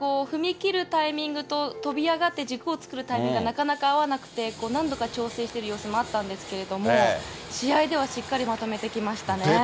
踏み切るタイミングと、跳び上がって軸を作るタイミングがなかなか合わなくて、何度か調整している様子もあったんですけれども、試合ではしっかりまとめてきましたよね。